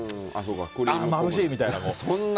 まぶしい！みたいな。